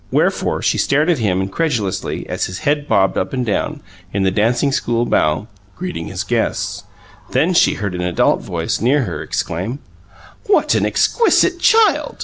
Wherefore, she stared at him incredulously as his head bobbed up and down, in the dancing school bow, greeting his guests. Then she heard an adult voice, near her, exclaim: "What an exquisite child!"